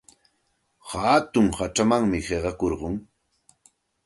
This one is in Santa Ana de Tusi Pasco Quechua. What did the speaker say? Hatun hachamanmi qiqakurqun.